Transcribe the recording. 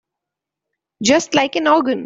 Just like an organ.